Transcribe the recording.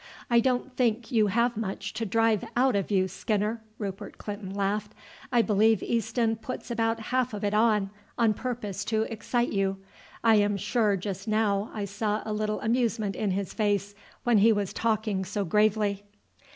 "I don't think you have much to drive out of you, Skinner," Rupert Clinton laughed. "I believe Easton puts about half of it on, on purpose to excite you. I am sure just now I saw a little amusement in his face when he was talking so gravely."